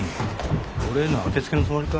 俺への当てつけのつもりか？